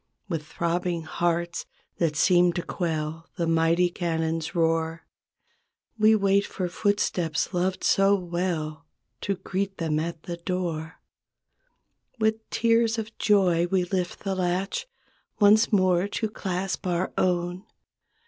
With throbbing hearts that seem to quell The mighty cannon's roar, We wait for footsteps loved so well. To greet them at the door. With tears of joy we lift the latch Once more to clasp our own.